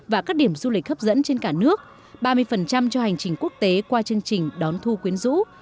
và các điểm du lịch hấp dẫn trên cả nước ba mươi cho hành trình quốc tế qua chương trình đón thu quyến rũ